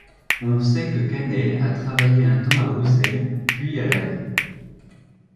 On sait que Canelle a travaillé un temps à Bruxelles puis à La Haye.